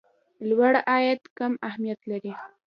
لوړ عاید کم اهميت لري.